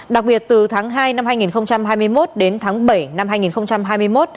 đặc biệt từ tháng hai năm hai nghìn hai mươi một đến tháng bảy năm hai nghìn hai mươi một